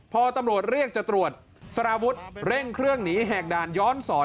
พอตำรวจเรียกจะตรวจสารวุฒิเร่งเครื่องหนีแหกด่านย้อนสอน